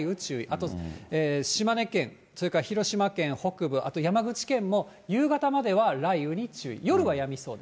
あと島根県、それから広島県北部、あと山口県も夕方までは雷雨に注意。